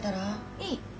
いい。